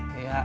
ya ya pak